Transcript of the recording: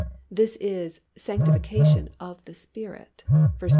This is "sanctification of the Spirit" (1 Pet.